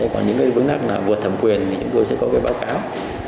còn những vấn đắc vượt thẩm quyền thì chúng tôi sẽ có báo cáo